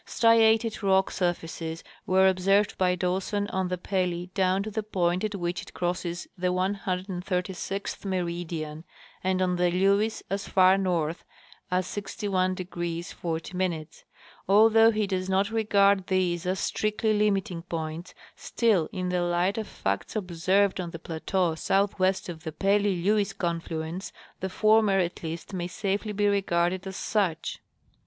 Striated rock surfaces Avere observed by Daw son on the Pelly down to the point at which it crosses the 136th meridian and on the LcAves as far north as 61° 40'. Although he does not regard these as strictly limiting points, still, in the light of facts observed on the plateau southwest of the Pelly LcAves confluence, the former at least may safely be regarded as such.